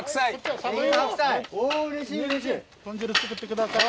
豚汁作ってください。